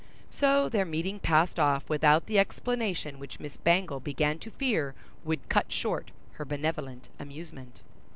So, their meeting passed off without the explanation which Miss Bangle began to fear would cut short her benevolent amusement.